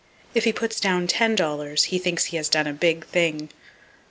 If he puts down $10, he thinks he has done a Big Thing.